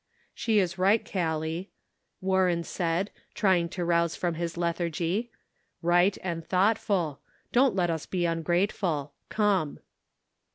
" She is right, Gallic," Warren said, trying to rouse from bis lethargy, " right and thought ful. Don't let us be ungrateful. Come."